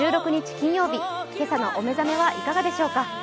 金曜日、今朝のお目覚めいかがでしょうか。